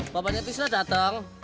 bapaknya tisna datang